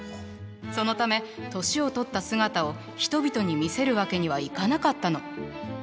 そのため年を取った姿を人々に見せるわけにはいかなかったの。